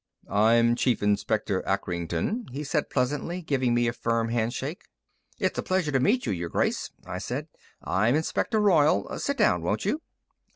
"I'm Chief Inspector Acrington," he said pleasantly, giving me a firm handshake. "It's a pleasure to meet you, Your Grace," I said. "I'm Inspector Royall. Sit down, won't you?"